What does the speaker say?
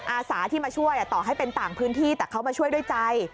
อาสาที่มาช่วยต่อให้เป็นต่างพื้นที่แต่เขามาช่วยด้วยใจ